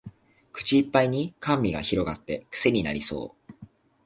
口いっぱいに甘味が広がってクセになりそう